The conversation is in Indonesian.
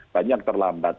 banyak yang terlambat